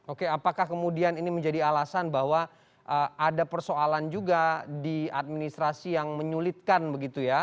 oke apakah kemudian ini menjadi alasan bahwa ada persoalan juga di administrasi yang menyulitkan begitu ya